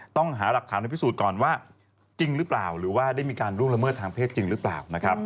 ต้องหาหลักฐานในพิสูจน์ก่อนว่าจริงหรือเปล่าหรือว่าได้มีการล่วงละเมิดทางเพศจริงหรือเปล่านะครับ